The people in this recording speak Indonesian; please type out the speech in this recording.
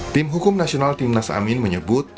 tim hukum nasional timnas amin menyebut